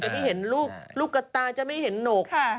ไม่เห็นจะไม่เห็นลูกลูกกระตาจะไม่เห็นหนก